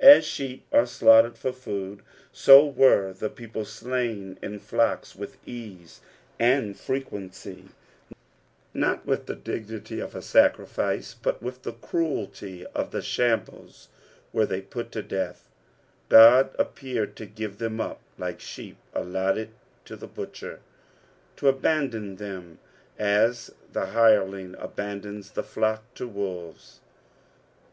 Aa sheep are stanghtored for food, so were the people slam in flocks, with ease, and frequency. , »»„^.wv)glC 338 exposiTioss of the psalms. Not with the dignity of sacriflce, but with the cruelty of the ehambles, weiv they put to death. God appeared to give tbem up like Bheep aLlotbed to the butcher, to abaudou them as tbe hiieling abandons the flocK to wolTes.